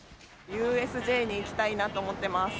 ＵＳＪに行きたいなと思ってます。